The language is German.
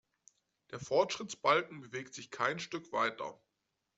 Der Fortschrittsbalken bewegt sich kein Stück weiter.